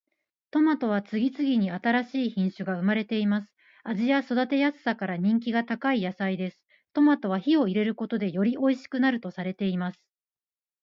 トマトは次々に新しい品種が生まれています。味や育てやすさから人気が高い野菜です。トマトは火を入れることでよりおいしくなるとされています。